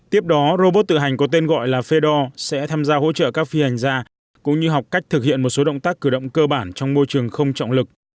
tiếp đó robot tự hành có tên gọi là fedor sẽ tham gia hỗ trợ các phi hành gia cũng như học cách thực hiện một số động tác cử động cơ bản trong môi trường không trọng lực